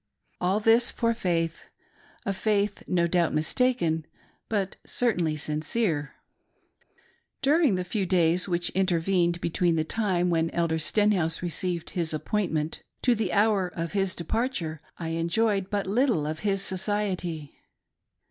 All this for faith — a faith no doubt mistaken, but certainly sincere. During the few days which intervened between the time when Elder Stenhouse received his appointment, to the hour of his departure, I enjoyed but little of his society.